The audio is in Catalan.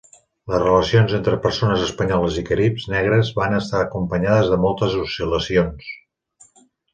Les relacions entre persones espanyoles i caribs negres van estar acompanyades de moltes oscil·lacions.